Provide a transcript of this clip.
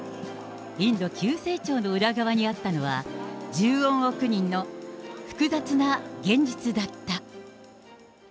インド急成長の裏側にあったのは、１４億人の複雑な現実だった。